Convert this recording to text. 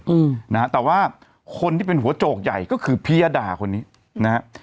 อืมนะฮะแต่ว่าคนที่เป็นหัวโจกใหญ่ก็คือพิยดาคนนี้นะฮะ